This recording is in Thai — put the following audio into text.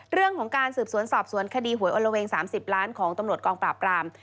เรื่องของการสืบสวนสอบสวนคดีหวยอลละเวง๓๐ล้านของตำรวจกองปราบราม